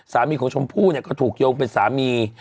สามีของชมพู่เนี่ยก็ถูกโยงเป็นสามี